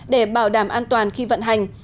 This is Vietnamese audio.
để bảo đảm an toàn khi vận hành